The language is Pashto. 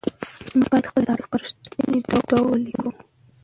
موږ بايد خپل تاريخ په رښتيني ډول ولېکو.